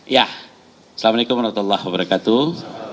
ya assalamu alaikum warahmatullahi wabarakatuh